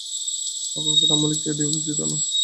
তখনকার আমলে কেউ ডিভোর্স দিতো না।